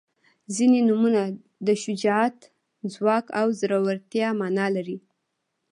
• ځینې نومونه د شجاعت، ځواک او زړورتیا معنا لري.